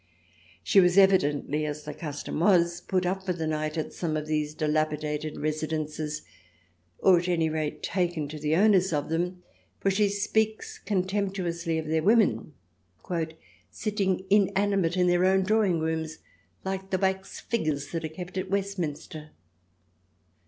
She was evidently, as the custom was, put up for the night at some of these dilapidated residences, or at any rate taken to the owners of them, for she speaks contemptuously of their women, " sitting inanimate in their own drawing rooms like the wax figures that are kept at Westminster."